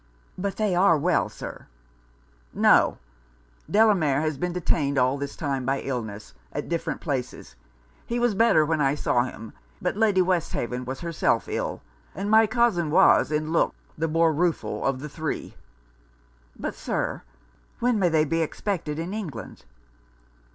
'But they are well, Sir?' 'No; Delamere has been detained all this time by illness, at different places. He was better when I saw him; but Lady Westhaven was herself ill, and my cousin was, in looks, the most rueful of the three.' 'But, Sir, when may they be expected in England?'